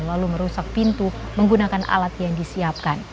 lalu merusak pintu menggunakan alat yang disiapkan